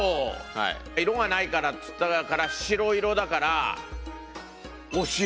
色がないからっつったから白色だから「おしろ」。